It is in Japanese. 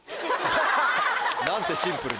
何てシンプルな。